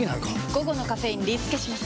午後のカフェインリスケします！